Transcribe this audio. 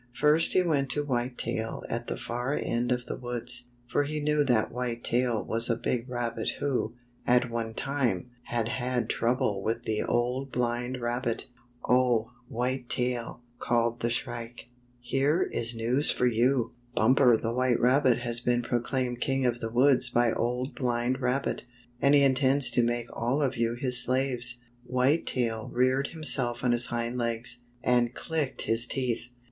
First he went to White Tail at the far end of the woods, for he knew that White Tail was a big rabbit who, at one time, had had trouble with the Old Blind Rabbit. "Oh, White Tail," called the Shrike, "here is news for you! Bumper the White Rabbit has been proclaimed king of the woods by Old Blind Rabbit, and he intends to make all of you his slaves." White Tail reared himself on his hind legs, and clicked his teeth.